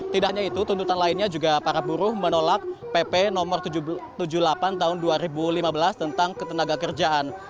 tidak hanya itu tuntutan lainnya juga para buruh menolak pp no tujuh puluh delapan tahun dua ribu lima belas tentang ketenaga kerjaan